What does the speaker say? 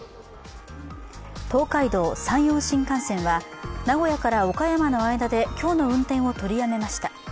東海道・山陽新幹線は名古屋から岡山の間で今日の運転を取りやめました。